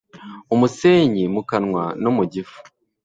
umusenyi mukanwa no mugifu